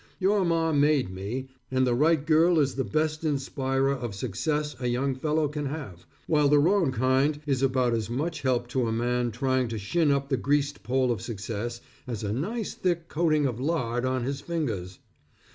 Your Ma made me, and the right girl is the best inspirer of success a young fellow can have, while the wrong kind, is about as much help to a man trying to shin up the greased pole of success, as a nice thick coating of lard on his fingers.